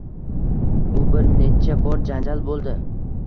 U bir necha bor janjal boʻldi.